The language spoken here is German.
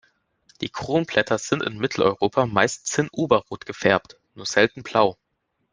Die Kronblätter sind in Mitteleuropa meist zinnoberrot gefärbt, nur selten blau.